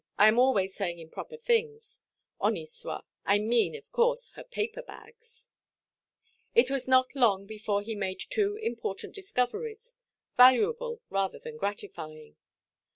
I am always saying improper things; honi soit—I mean, of course, her paper bags—it was not long before he made two important discoveries, valuable rather than gratifying.